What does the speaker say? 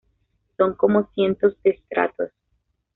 Son como cientos de estratos.